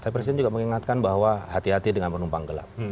tapi presiden juga mengingatkan bahwa hati hati dengan penumpang gelap